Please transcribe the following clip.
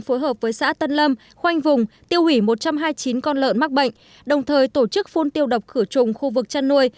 phối hợp với xã tân lâm khoanh vùng tiêu hủy một trăm hai mươi chín con lợn mắc bệnh đồng thời tổ chức phun tiêu độc khử trùng khu vực chăn nuôi